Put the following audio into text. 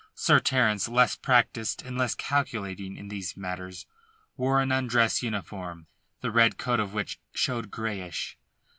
Sir Terence, less practised and less calculating in these matters, wore an undress uniform, the red coat of which showed greyish.